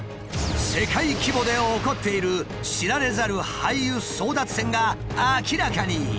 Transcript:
世界規模で起こっている知られざる廃油争奪戦が明らかに！